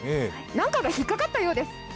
何かが引っ掛かったようです。